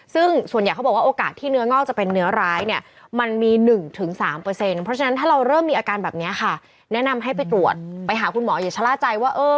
ซึ่งส่วนใหญ่เขาบอกว่าโอกาสที่เนื้องอกจะเป็นเนื้อร้ายเนี่ย